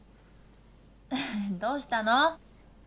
どうしたの？